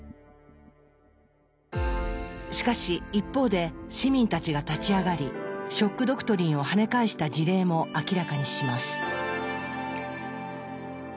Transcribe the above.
しかし一方で市民たちが立ち上がり「ショック・ドクトリン」を跳ね返した事例も明らかにします。